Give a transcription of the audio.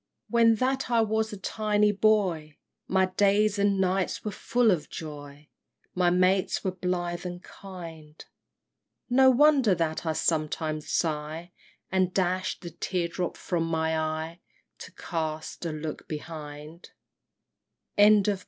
XVII. When that I was a tiny boy My days and nights were full of joy, My mates were blithe and kind! No wonder that I sometimes sigh, And dash the tear drop from my eye, To cast a look behind! BALLAD.